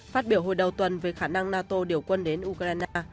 phát biểu hồi đầu tuần về khả năng nato điều quân đến ukraine